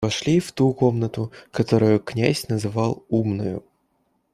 Вошли и в ту комнату, которую князь называл умною.